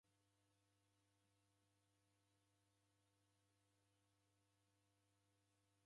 W'elee, ngera gheko maelesho gha iji ilagho?